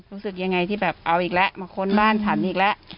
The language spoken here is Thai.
รู้สึกยังไงที่แบบเอาอีกแล้วมาค้นบ้านฉันอีกแล้ว